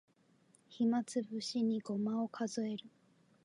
暇つぶしにごまを数える